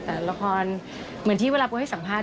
แต่ละครเหมือนที่เวลาปูให้สัมภาษณ